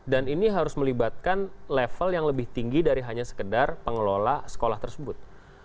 dan ini harus melibatkan level yang lebih tinggi dari hanya sekedar pengelola sekolah tersebut